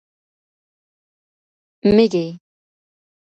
مېږی 🐜